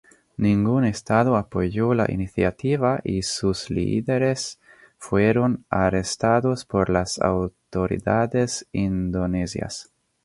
Ningún estado apoyó la iniciativa, y sus líderes fueron arrestados por las autoridades indonesias.